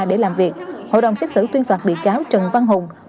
để làm việc hội đồng xét xử tuyên phạt bị cáo trần văn hùng